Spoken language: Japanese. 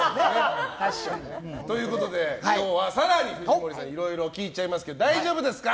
ということで今日は更に藤森さんにいろいろ聞いちゃいますが大丈夫ですか？